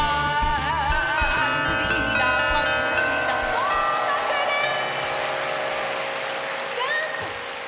合格です！